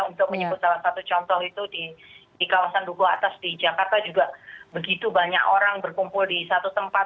untuk menyebut salah satu contoh itu di kawasan duku atas di jakarta juga begitu banyak orang berkumpul di satu tempat